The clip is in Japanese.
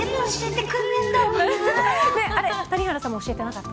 谷原さんも教えてなかった。